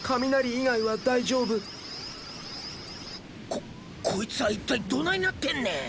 ここいつは一体どないなってんねん！